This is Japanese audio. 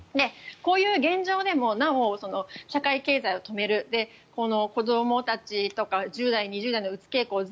こういう現状でもなお社会経済を止める子どもたちとか１０代、２０代のうつ傾向